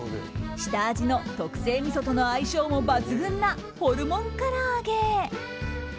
下味の特製みそとの相性も抜群なホルモン唐揚げ。